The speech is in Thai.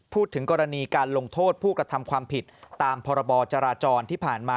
พูดถึงกรณีการลงโทษผู้กระทำความผิดตามพรบจราจรที่ผ่านมา